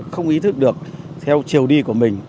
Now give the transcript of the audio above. không ý thức được theo chiều đi của mình